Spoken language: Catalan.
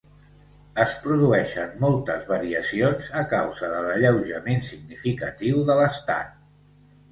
Es produeixen moltes variacions a causa de l'alleujament significatiu de l'estat.